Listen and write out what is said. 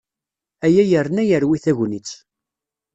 Aya yerna yerwi tagnit.